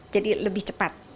jadi lebih cepat